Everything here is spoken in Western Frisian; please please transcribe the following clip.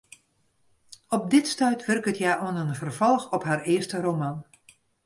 Op dit stuit wurket hja oan in ferfolch op har earste roman.